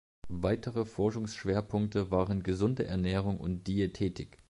Weitere Forschungsschwerpunkte waren gesunde Ernährung und Diätetik.